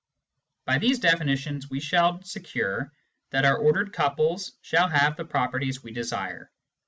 By these definitions we shall secure that our ordered couples shall have the properties we desire.